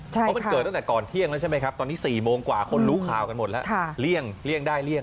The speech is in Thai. เพราะมันเกิดตั้งแต่ก่อนเที่ยงแล้วใช่ไหมครับตอนนี้๔โมงกว่าคนรู้ข่าวกันหมดแล้วเลี่ยงได้เลี่ยง